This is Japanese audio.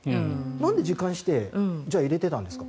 なんで時間指定を入れてたんですか？